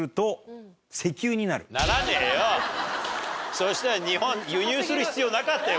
そしたら日本輸入する必要なかったよ